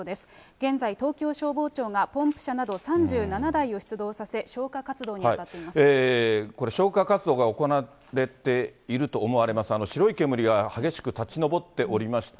現在東京消防庁がポンプ車など３７台を出動させ、消火活動に当たこれ、消火活動が行われていると思われます、白い煙が激しく立ち上っておりまして、